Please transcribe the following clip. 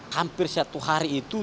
hampir satu hari itu